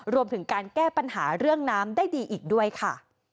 รวมถึงการแก้ปัญหาเรื่องน้ำได้ดีอีกด้วยค่ะ